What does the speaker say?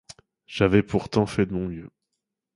J'avais pourtant fait de mon mieux.